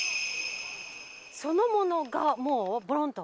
そのものがもうボロンと？